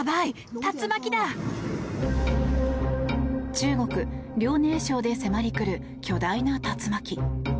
中国・遼寧省で迫り来る巨大な竜巻。